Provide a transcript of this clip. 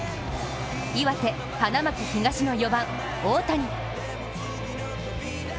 岩手・花巻東の４番・大谷。